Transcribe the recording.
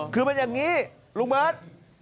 คือเป็นอย่างนี้ลูกเบิ้ด